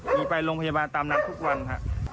มีไปโรงพยาบาลตามนั้นทุกวันค่ะ